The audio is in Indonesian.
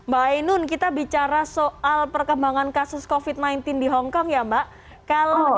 mbak ainun kita bicara soal perkembangan kasus covid sembilan belas di hongkong ya mbak